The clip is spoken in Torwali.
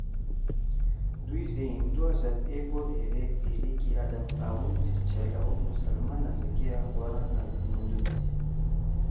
دُوئی سے ہندُوا سیت ایپود ہیدے تحریک عدم تعاون سی چلؤ مسلمانا سی کیا غورا نہ گھنُودُود